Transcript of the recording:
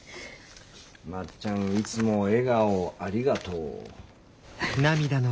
「まっちゃんいつも笑顔をありがとう」。